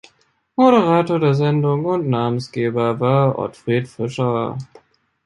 Moderator der Sendung und Namensgeber war Ottfried Fischer.